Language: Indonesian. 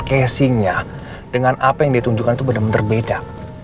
casingnya dengan apa yang ditunjukkan itu bener bener beda